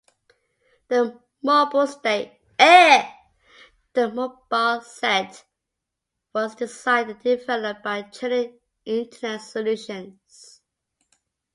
The mobile site was designed and developed by Trinet Internet Solutions.